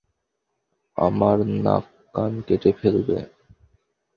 আমার নাক কান কেটে ফেলবে।